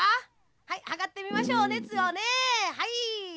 はいはかってみましょうおねつをね。はい」。